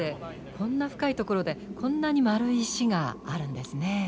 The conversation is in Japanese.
こんな深い所でこんなに丸い石があるんですね。